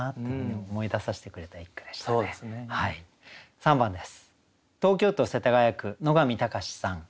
３番です。